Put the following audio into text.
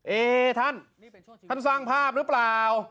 เอ๊ท่านท่านสร้างภาพหรือเปล่า